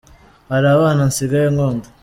Hari abana nsigaye nkunda.